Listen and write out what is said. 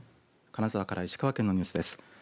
金沢から石川県のニュースです。